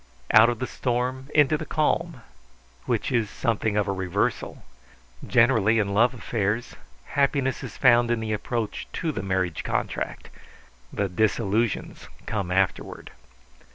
Out of the storm into the calm; which is something of a reversal. Generally in love affairs happiness is found in the approach to the marriage contract; the disillusions come afterward.